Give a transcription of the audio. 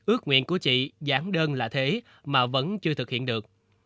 ước nguyện của chị giảng đơn là thế mà vẫn chưa thực hiện được